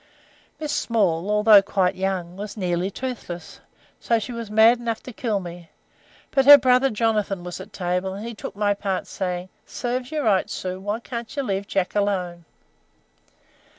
"Miss Small, although quite young, was nearly toothless, so she was mad enough to kill me; but her brother Jonathan was at table, and he took my part, saying, 'Sarves you right, Sue;' why can't you leave Jack alone?'